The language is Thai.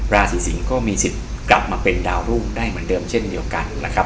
ราศีสิงศ์ก็มีสิทธิ์กลับมาเป็นดาวรุ่งได้เหมือนเดิมเช่นเดียวกันนะครับ